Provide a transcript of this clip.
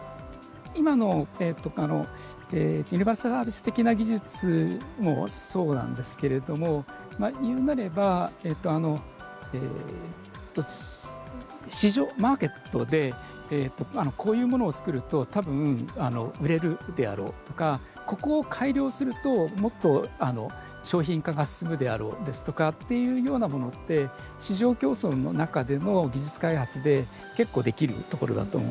今のユニバーサルサービス的な技術もそうなんですけれども言うなれば市場、マーケットでこういうものを作るとたぶん売れるであろうとかここを改良すると、もっと商品化が進むであろうですとかっていうようなものって市場競争の中での技術開発で結構できるところだと思うんです。